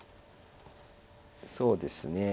そうですね